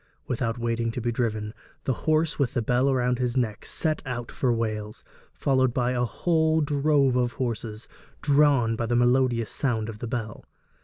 Without waiting to be driven, the horse with the bell about his neck set out for Wales, followed by a whole drove of horses, drawn by the melodious sound of the bell.